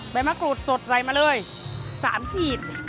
มะกรูดสดใส่มาเลย๓ขีด